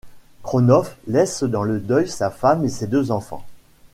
Krosnoff laisse dans le deuil sa femme et ses deux enfants.